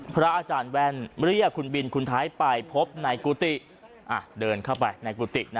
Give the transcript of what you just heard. พระอาจารย์แว่นเรียกคุณบินคุณไทยไปพบในกุฏิเดินเข้าไปในกุฏินะ